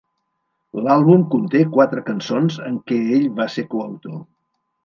L'àlbum conté quatre cançons en què ell va ser coautor.